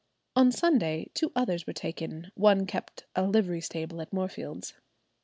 On Sunday two others were taken; one kept a livery stable at Moorfield's.